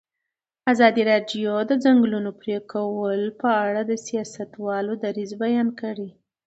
ازادي راډیو د د ځنګلونو پرېکول په اړه د سیاستوالو دریځ بیان کړی.